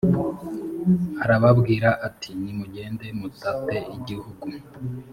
arababwira ati “nimugende mutate igihugu”